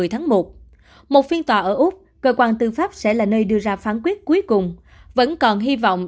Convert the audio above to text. một mươi tháng một một phiên tòa ở úc cơ quan tư pháp sẽ là nơi đưa ra phán quyết cuối cùng vẫn còn hy vọng